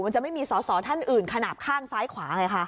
จะไม่มีสอสอท่านอื่นขนาดข้างซ้ายขวาไงคะ